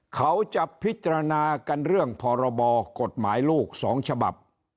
เขาจะพิจารณากันเรื่องพรบกฎหมายลูก๒ฉบับ